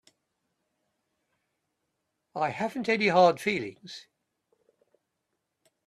I haven't any hard feelings.